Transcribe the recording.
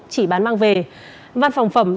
chỉ bán mang về văn phòng phẩm